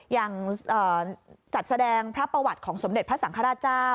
อย่างจัดแสดงพระประวัติของสมเด็จพระสังฆราชเจ้า